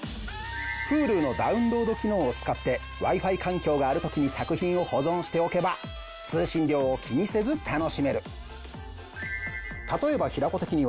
Ｈｕｌｕのダウンロード機能を使ってＷｉ−Ｆｉ環境がある時に作品を保存しておけば通信量を気にせず楽しめる